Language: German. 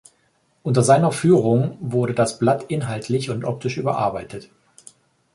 Unter seiner Führung wurde das Blatt inhaltlich und optisch überarbeitet.